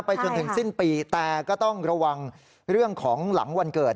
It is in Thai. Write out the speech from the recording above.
จนถึงสิ้นปีแต่ก็ต้องระวังเรื่องของหลังวันเกิด